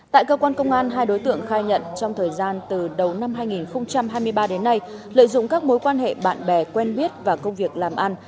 tại cơ quan công an hai đối tượng khai nhận trong thời gian từ đầu năm hai nghìn hai mươi ba đến nay lợi dụng các mối quan hệ bạn bè quen biết và công việc làm ăn